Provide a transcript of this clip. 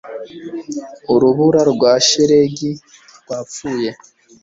urubura rwa shelegi rwapfuye